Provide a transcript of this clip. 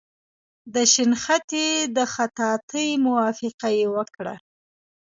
د شنختې د خطاطۍ موافقه یې وکړه.